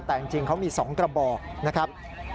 แต่จริงเขามี๒กระบอกนะครับ